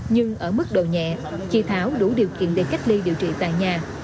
nhưng ở mức độ nhẹ chị tháo đủ điều kiện để cách ly điều trị tại nhà